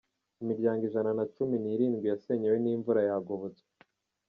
Imiryango Ijana nacumi nirindwi yasenyewe n’imvura yagobotswe